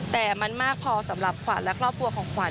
แต่มันมากพอสำหรับขวัญและครอบครัวของขวัญ